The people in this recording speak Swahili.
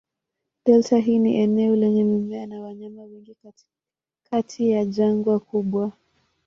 Delta hii ni eneo lenye mimea na wanyama wengi katikati ya jangwa kubwa.